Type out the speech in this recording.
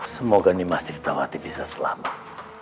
semoga ini mas tirtawati bisa selamat